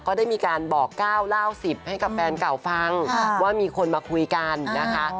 ก็ได้มีการบอก๙เล่า๑๐ให้กับแฟนเก่าฟังว่ามีคนมาคุยกันนะคะ